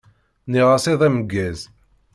Nniɣ-as iḍ ameggaẓ.